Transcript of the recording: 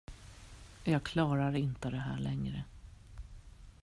Jag klarar inte det här längre.